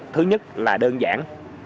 thứ nhất là đơn giản